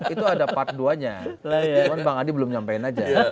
itu ada part dua nya cuma bang adi belum nyampein aja